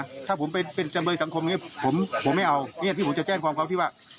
นะถ้าผมเป็นเป็นจำเบยสังคมอย่างงี้ผมผมไม่เอาเนี่ยพี่ผมจะแจ้งความความที่ว่า